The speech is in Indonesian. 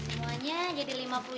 semuanya jadi lima puluh juta rupiah om